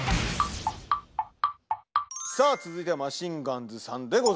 さあ続いてはマシンガンズさんでございます。